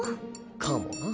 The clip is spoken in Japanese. かもな。